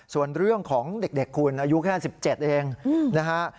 ส่วนเรื่องของเด็กคุณอายุแค่๑๗เองนะฮะ